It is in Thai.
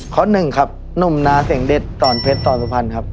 หนึ่งครับหนุ่มนาเสียงเด็ดตอนเพชรสอนสุพรรณครับ